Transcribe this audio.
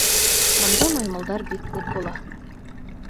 Бында маймылдар бик күп була.